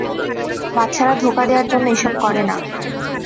বাচ্চারা ধোকা দেয়ার জন্য এসব কাজ করে না।